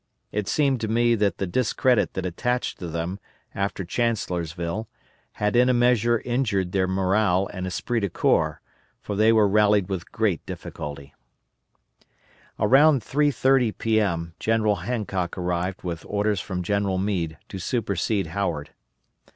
It seemed to me that the discredit that attached to them after Chancellorsville had in a measure injured their morale and esprit de corps, for they were rallied with great difficulty. About 3.30 P.M., General Hancock arrived with orders from General Meade to supersede Howard.